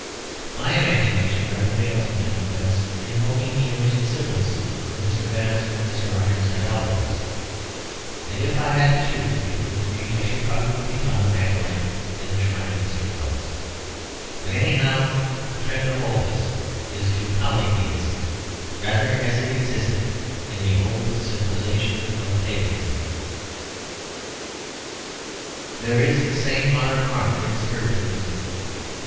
My imagination rather fails me, I confess, in evoking the image and symbolism of Mr. Bennett's or Mr. Archer's idolatries; and if I had to choose between the three, I should probably be found as an acolyte in the shrine of Mr. Wells. But, anyhow, the trend of all this is to polytheism, rather as it existed in the old civilisation of paganism. There is the same modern mark in Spiritualism.